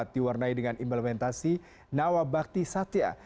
diwarnai dengan implementasi nawa bakti satya